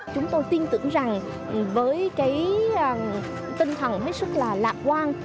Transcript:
chúng tôi tin tưởng rằng với cái tinh thần hết sức là lạc quan